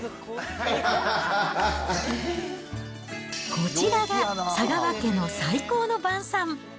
こちらが佐川家の最高の晩さん。